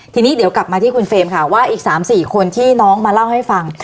ทีนี้เดี๋ยวกลับมาที่คุณเฟรมค่ะว่าอีก๓๔คนที่น้องมาเล่าให้ฟัง